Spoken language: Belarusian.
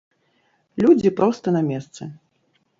Людзі проста на месцы.